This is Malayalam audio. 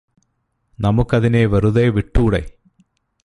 നമുക്കതിനെ വെറുതെ വിട്ടൂടെ